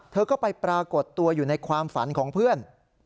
เธอก็ไปปรากฏตัวอยู่ในความฝันของเพื่อน